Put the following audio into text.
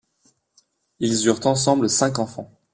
Ils eurent ensemble cinq enfants.